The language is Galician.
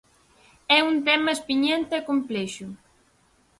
É un tema espiñento e complexo.